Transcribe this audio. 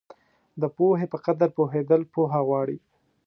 د پوهې په قدر پوهېدل پوهه غواړي.